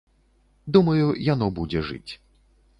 Думаю, яно будзе жыць.